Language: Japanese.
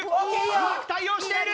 うまく対応している！